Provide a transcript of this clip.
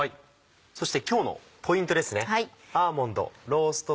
そして今日のポイントですね。